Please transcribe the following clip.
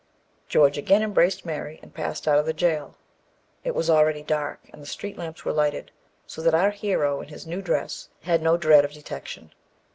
George again embraced Mary, and passed out of the jail. It was already dark, and the street lamps were lighted, so that our hero in his new dress had no dread of detection.